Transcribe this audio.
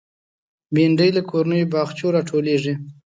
بېنډۍ له کورنیو باغچو راټولېږي